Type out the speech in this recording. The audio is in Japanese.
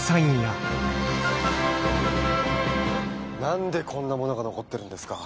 何でこんなものが残ってるんですか？